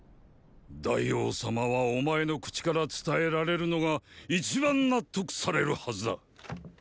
大王様はお前の口から伝えられるのが一番納得されるはずだ。